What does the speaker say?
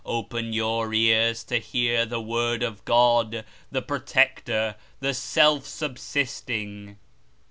Open your ears to hear the word of GOD, the Protector, the Self Subsisting.